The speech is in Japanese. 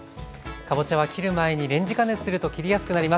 かぼちゃは切る前にレンジ加熱すると切りやすくなります。